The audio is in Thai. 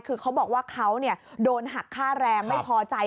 คือเขาบอกว่าเขาโดนหักค่าแรงไม่พอใจ